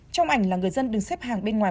trong ảnh là người dân đứng xếp hàng bên ngoài